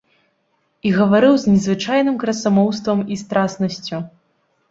І гаварыў з незвычайным красамоўствам і страснасцю.